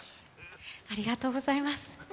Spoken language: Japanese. ありがとうございます。